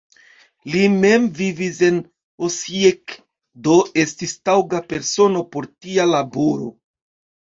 Li mem vivis en Osijek, do estis taŭga persono por tia laboro.